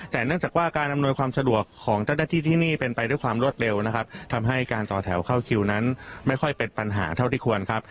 แต่เนื่องจากว่าการอำนวยความสะดวกของเจ้าหน้าที่ที่นี่เป็นไปด้วยความรวดเร็วนะครับทำให้การต่อแถวเข้าคิวนั้นไม่ค่อยเป็นปัญหาเท่าที่ควรครับ